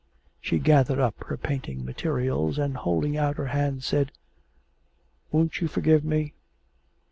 She gathered up her painting materials, and, holding out her hand, said, 'Won't you forgive me?'